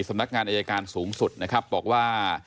สำนักงานอายการสูงสุดนะครับบอกว่า